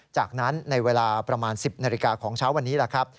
จากนั้นในเวลาประมาณ๑๐นาฬิกาของเช้าวันนี้แหละครับ